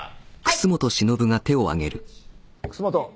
楠本。